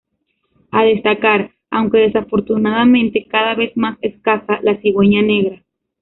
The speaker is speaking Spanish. A destacar, aunque desafortunadamente cada vez más escasa, la cigüeña negra.